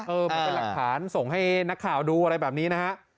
มันเป็นหลักฐานส่งให้นักข่าวดูอะไรแบบนี้นะฮะ